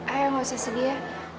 ayah nggak usah sedia